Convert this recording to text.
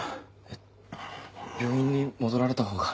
えっ病院に戻られたほうが。